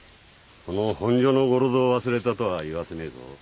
この本所の五郎蔵を忘れたとは言わせねえぞ。